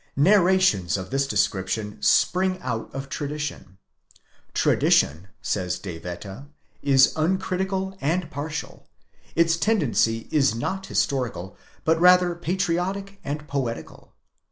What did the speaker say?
Narrations of this description spring out of tradition. Tradition, says De Wette, is uncritical and partial; its tendency is not his torical, but rather patriotic and poetical.